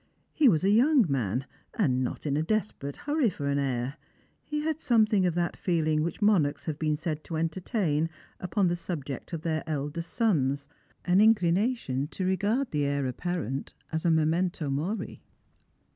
He was a young man, and was not in a desperate hurry for an heir. He had something of that feeling which monarchs have been said to entertain upon the subject of theii eldest sons, an inclination to regard the heir apparent as a memento mori.